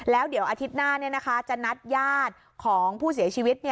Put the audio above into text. แล้วเดี๋ยวอาทิตย์หน้าจะนัดญาติของผู้เสียชีวิต